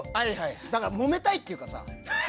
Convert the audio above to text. だから、もめたいっていうかさ。